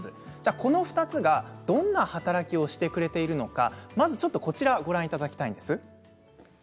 この２つが、どんな働きをしてくれているのかご覧いただきたいんです。